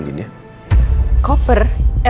yang barit battery mecaduck